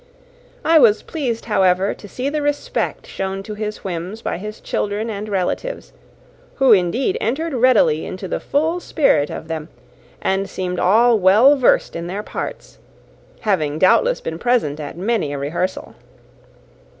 I was pleased, however, to see the respect shown to his whims by his children and relatives; who, indeed, entered readily into the full spirit of them, and seemed all well versed in their parts; having doubtless been present at many a rehearsal.